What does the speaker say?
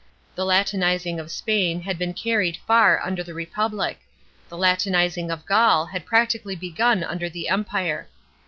The Latinizing of Spain had been carried far under the Republic ; the Latinizing of Gaul had practically begun under the Empire.